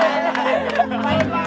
ayo pak burung lah